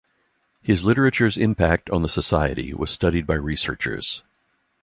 His literature's impact on the society was studied by researchers.